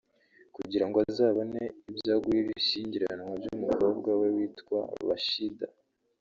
kugira ngo azabone ibyo agura ibishyingiranwa by’umukobwa we witwa Rasheeda